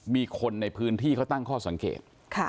มีคนในพื้นที่เขาตั้งข้อสังเกต